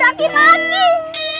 pasti ingatannya pulih